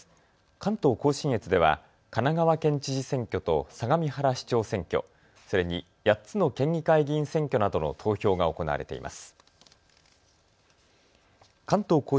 関東甲信越では神奈川県知事選挙と相模原市長選挙、それに８つの県議会議員選挙などの投票が行われています。